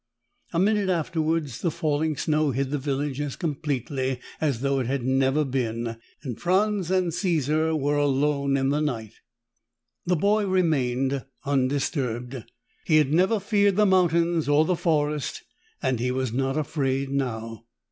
A minute afterwards, the falling snow hid the village as completely as though it had never been and Franz and Caesar were alone in the night. The boy remained undisturbed. He had never feared the mountains or the forest and he was not afraid now.